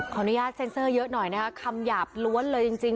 อนุญาตเซ็นเซอร์เยอะหน่อยนะคะคำหยาบล้วนเลยจริง